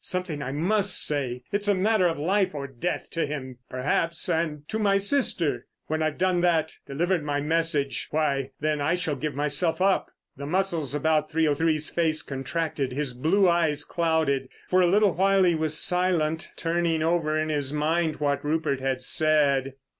Something I must say. It's a matter of life or death to him, perhaps—and to my sister. When I've done that, delivered my message—why then I shall give myself up." The muscles about 303's face contracted, his blue eyes clouded. For a little while he was silent, turning over in his mind what Rupert had said.